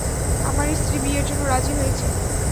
আমার স্ত্রী বিয়ের জন্য রাজি হয়েছে।